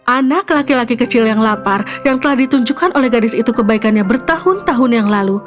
anak laki laki kecil yang lapar yang telah ditunjukkan oleh gadis itu kebaikannya bertahun tahun yang lalu